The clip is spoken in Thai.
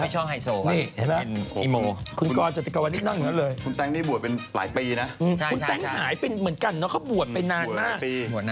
ใช่คุณแตงหายเหมือนกันนะเขาบวดไปนานมาก